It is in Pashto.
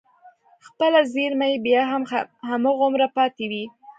خپله زېرمه يې بيا هم هماغومره پاتې وي.